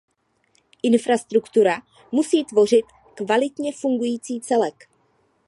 Infrastruktura musí tvořit kvalitně fungující celek.